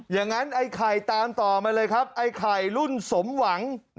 อย่างนั้นไอ้ไข่ตามต่อมาเลยครับไอ้ไข่รุ่นสมหวัง